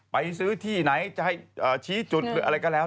ไปซื้อที่ไหนจะให้ชี้จุดหรืออะไรก็แล้ว